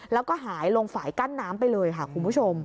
แล้วก็หายลงฝ่ายกั้นน้ำไปเลยค่ะคุณผู้ชม